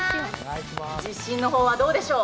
自信の方はどうでしょう？